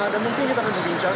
dan mungkin kita akan berbincang